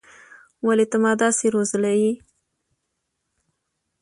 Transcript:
ولې ته ما داسې روزلى يې.